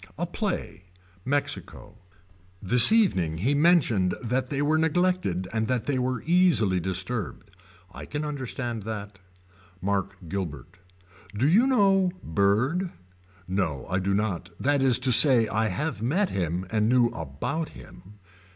A play. Mexico. This evening he mentioned that they were neglected and that they were easily disturbed. I can understand that. Mark Guilbert. Do you know Bird. No I do not that is to say I have met him and knew about him.